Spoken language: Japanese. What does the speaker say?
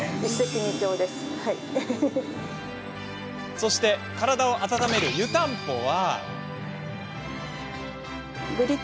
そして、体を温める湯たんぽは。